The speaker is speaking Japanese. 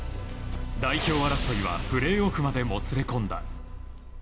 代表争いはプレーオフまでもつれ込んだ。